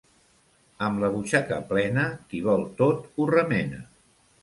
Amb la butxaca plena, qui vol tot ho remena.